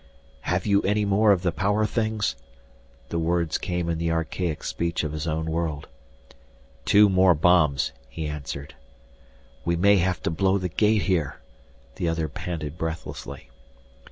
"Have you any more of the power things?" the words came in the archaic speech of his own world. "Two more bombs," he answered. "We may have to blow the gate here," the other panted breathlessly.